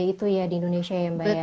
itu ya di indonesia ya mbak ya